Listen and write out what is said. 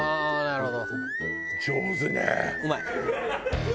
なるほど。